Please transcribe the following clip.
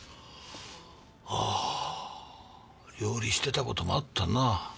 ああ料理してた事もあったなぁ。